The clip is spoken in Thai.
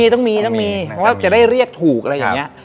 ต้องมีต้องมีก็จะได้เรียกถูกอะไรอย่างนี้